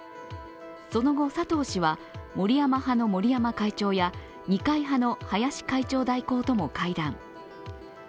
その後、佐藤氏は森山派の森山会長や二階派の林会長代行とも会談。